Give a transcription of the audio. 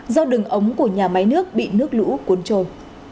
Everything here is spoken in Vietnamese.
do đường ống của nhà máy nước bị nước lũ cuốn trôi